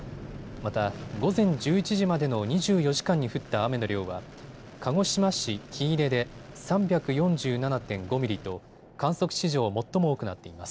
また午前１１時までの２４時間に降った雨の量は鹿児島市喜入で３４７．５ミリと観測史上最も多くなっています。